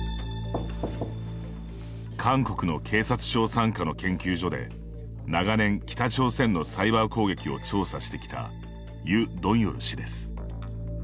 韓国の警察庁傘下の研究所で長年、北朝鮮のサイバー攻撃を調査してきたユ・ドンヨル氏です。